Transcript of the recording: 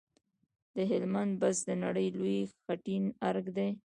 د هلمند بست د نړۍ لوی خټین ارک دی